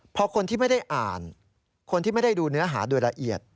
พอคนที่ไม่ได้อ่านคนที่ไม่ได้ดูเนื้อหาโดยละเอียด